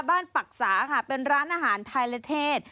ปรักษาค่ะเป็นร้านอาหารไทยและเทศ